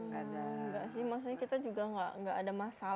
gak sih maksudnya kita juga gak ada masalah sih